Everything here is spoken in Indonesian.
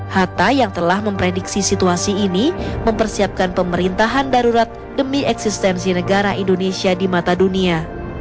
hatta yang telah memprediksi situasi ini mempersiapkan pemerintahan darurat demi eksistensi negara indonesia di mata dunia